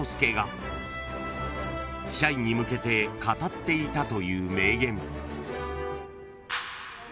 ［社員に向けて語っていたという名言］